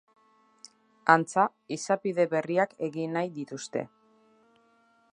Antza, izapide berriak egin nahi dituzte.